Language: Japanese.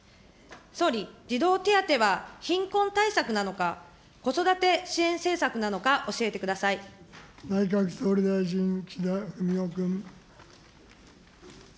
総理、児童手当は貧困対策なのか、子育て支援政策なのか、教えてく内閣総理大臣、岸田文雄君。